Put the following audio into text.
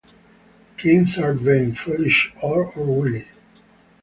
Kings are vain, foolish, old or wily.